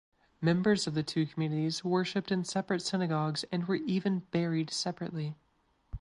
Members of the two communities worshiped in separate synagogues and were even buried separately.